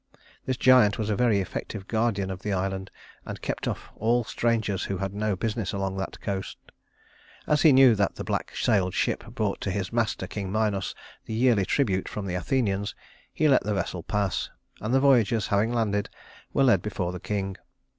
This giant was a very effective guardian of the island, and kept off all strangers who had no business along that coast. As he knew that the black sailed ship brought to his master, King Minos, the yearly tribute from the Athenians, he let the vessel pass; and the voyagers, having landed, were led before the king.